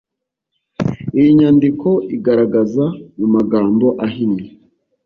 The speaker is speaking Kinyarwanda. iyi nyandiko iragaragaza, mu magambo ahinnye,